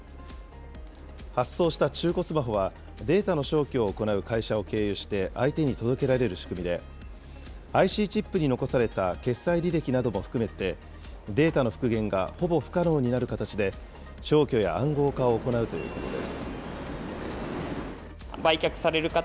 発送した中古スマホはデータの消去を行う行う会社を経営して相手に届けられる仕組みで、ＩＣチップに残された決済履歴なども含めてデータの復元がほぼ不可能になる形で、消去や暗号化を行うということです。